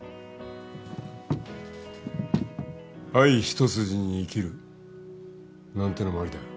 愛一筋に生きるなんてのもありだよ